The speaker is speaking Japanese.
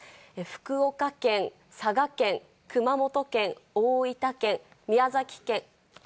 福岡県、佐賀県、熊本県、大分県、宮崎県。